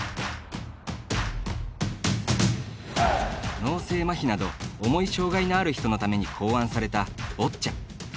脳性まひなど重い障がいのある人のために考案された、ボッチャ。